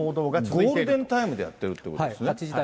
ゴールデンタイムでやってるということですね。